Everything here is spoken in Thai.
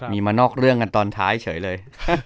มีมานอกเรื่องกันตอนท้ายเฉยเลย